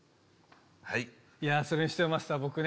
はいいやそれにしてもマスター僕ね